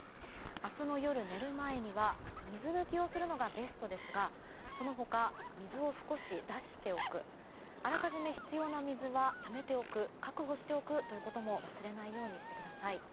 明日の夜、寝る前には水抜きをするのがベストですがその他、水を少し出しておくあらかじめ必要な水はためておく確保しておくということも忘れないようにしてください。